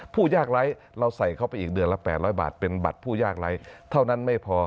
ผู้ยากไร้เราใส่เข้าไปอีกเดือนละ๘๐๐บาทเป็นบัตรผู้ยากไร้เท่านั้นไม่พอ